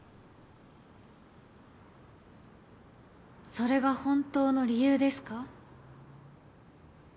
それが本当の理由ですか？